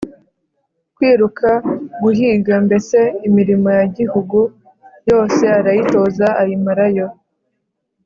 kwiruka, guhiga mbese imirimo ya gihungu yose arayitoza ayimarayo.